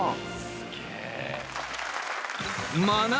すげえ！